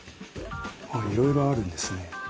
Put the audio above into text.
あっいろいろあるんですね。